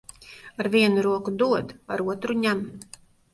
Ar vienu roku dod, ar otru ņem.